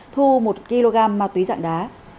thu một kg ma túy dạng đá